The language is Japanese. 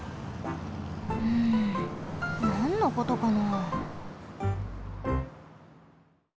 うんなんのことかな？